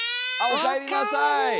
おかえりなさい！